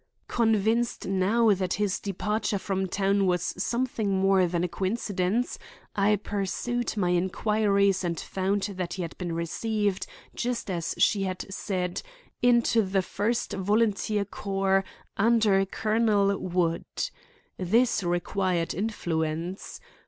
Convinced now that his departure from town was something more than a coincidence, I pursued my inquiries and found that he had been received, just as she had said, into the First Volunteer Corps under Colonel Wood. This required influence.